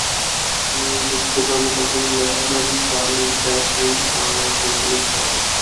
নির্বাচিত কর্মকর্তাদের মধ্যে লেফটেন্যান্ট কর্নেল প্রাইস ছিলেন অবৈতনিক সভাপতি।